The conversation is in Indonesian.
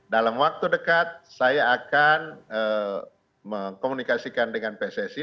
dalam waktu dekat saya akan mengkomunikasikan dengan pssi